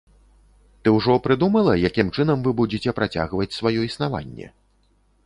Ты ўжо прыдумала, якім чынам вы будзеце працягваць сваё існаванне?